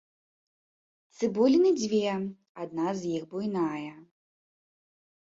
Цыбуліны дзве, адна з іх буйная.